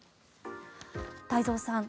太蔵さん